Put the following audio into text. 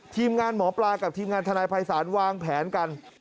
ทีมงานหมอปลากับทีมงานทนายภัยศาลวางแผนกัน